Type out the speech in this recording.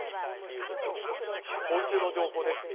交通の情報です。